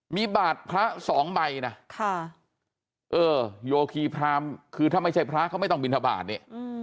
มีบาทพระสองใบนะเออโยคีพรามคือถ้าไม่ใช่พระเขาไม่ต้องบินทบาทนี่